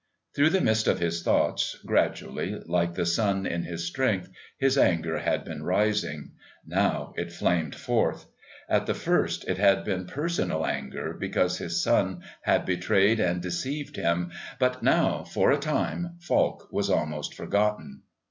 Through the mist of his thoughts, gradually, like the sun in his strength, his anger had been rising. Now it flamed forth. At the first it had been personal anger because his son had betrayed and deceived him but now, for a time, Falk was almost forgotten.